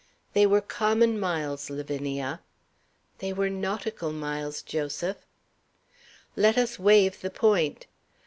"They were common miles, Lavinia." "They were nautical miles, Joseph." "Let us waive the point.